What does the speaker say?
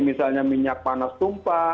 misalnya minyak panas tumpah